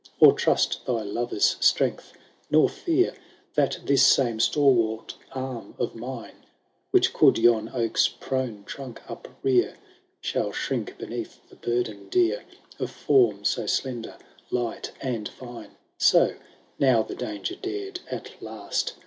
Or trust thy lover^s strength : nor fear That this same stalwart arm of mine, Which could yon oak*s prone trunk uprear, Shall shrink beneath the burden dear Of form so slender, light, and fine So, — ^now, the danger dared at last.